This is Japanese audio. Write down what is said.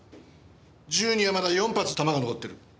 銃にはまだ４発弾が残っている。